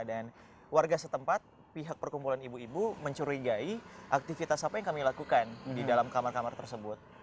dan warga setempat pihak perkumpulan ibu ibu mencurigai aktivitas apa yang kami lakukan di dalam kamar kamar tersebut